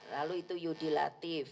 lalu itu yudi latif